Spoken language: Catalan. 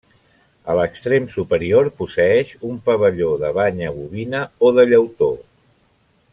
A l'extrem superior posseeix un pavelló de banya bovina o de llautó.